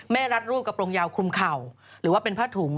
รัดรูปกระโปรงยาวคลุมเข่าหรือว่าเป็นผ้าถุง